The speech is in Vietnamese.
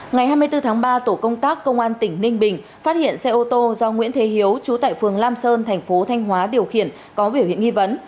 ngày hai mươi bốn tháng ba tổ công tác công an tỉnh ninh bình phát hiện xe ô tô do nguyễn thế hiếu trú tại phường lam sơn thành phố thanh hóa điều khiển có biểu hiện nghi vấn